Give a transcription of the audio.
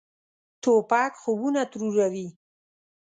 توپک خوبونه تروروي.